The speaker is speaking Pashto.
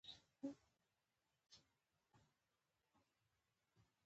د خدای وعده ده چې پناه وروړي.